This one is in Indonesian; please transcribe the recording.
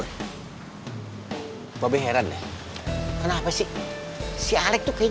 eh ayolah iniuéh